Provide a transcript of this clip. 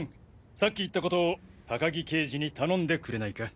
さっき言ったことを高木刑事に頼んでくれないか？